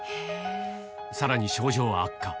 さらに、症状は悪化。